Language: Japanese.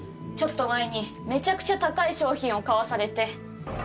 ちょっと前にめちゃくちゃ高い商品を買わされて。